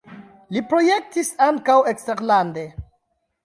Li projektis ankaŭ eksterlande.